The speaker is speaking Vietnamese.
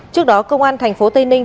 trước đó công an tp tây ninh